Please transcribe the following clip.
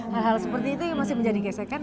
hal hal seperti itu yang masih menjadi gesekan